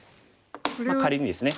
仮にですね。